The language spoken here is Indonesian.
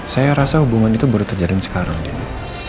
saya rasa hubungan itu baru terjadi sekarang dino